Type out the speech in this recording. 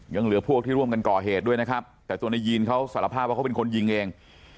ยังเหลือพวกที่ร่วมกันก่อเหตุด้วยนะครับแต่ตัวนายยีนเขาสารภาพว่าเขาเป็นคนยิงเอง